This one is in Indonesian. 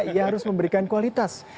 ia harus memberikan kualitas